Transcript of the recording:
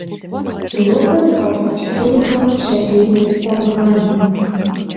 Nobe zef'ebğeç'ıfın 'uexur pşedêym khomığane.